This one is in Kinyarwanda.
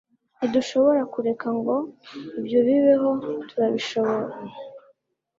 ntidushobora kureka ngo ibyo bibeho, turabishoboye